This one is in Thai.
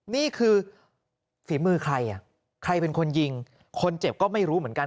นี่คือฝีมือใครอ่ะใครใครเป็นคนยิงคนเจ็บก็ไม่รู้เหมือนกัน